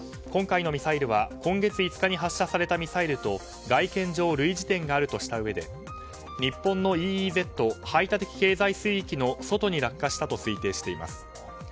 今回のミサイルは今月５日に発射されたミサイルと外見上類似点があるとしたうえで日本のＥＥＺ・排他的経済水域の外に落下したと推定しています。